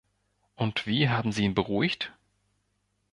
Und wie haben Sie ihn beruhigt?